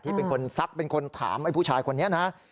ที่เป็นคนทรัพย์เป็นคนถามผู้ชายคนนี้นะ